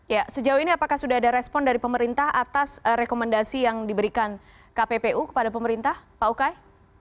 ya sejauh ini apakah sudah ada respon dari pemerintah atas rekomendasi yang diberikan kppu kepada pemerintah pak ukay